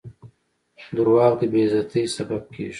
• دروغ د بې عزتۍ سبب کیږي.